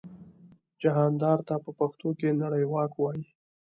جهاندار ته په پښتو کې نړیواک وايي.